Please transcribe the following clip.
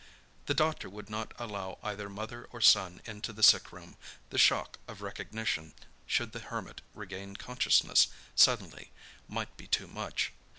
The doctor would not allow either mother or son into the sick room—the shock of recognition, should the Hermit regain consciousness suddenly, might be too much.